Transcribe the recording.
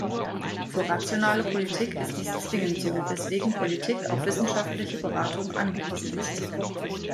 Für rationale Politik ist dies zwingend so, weswegen Politik auf wissenschaftliche Beratung angewiesen ist.